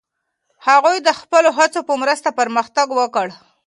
هغوی د خپلو هڅو په مرسته پرمختګ وکړ.